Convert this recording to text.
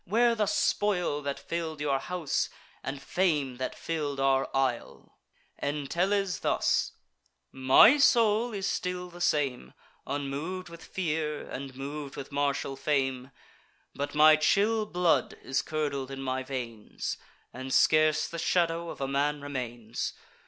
Where the spoil That fill'd your house, and fame that fill'd our isle?" Entellus, thus: "My soul is still the same, Unmov'd with fear, and mov'd with martial fame; But my chill blood is curdled in my veins, And scarce the shadow of a man remains.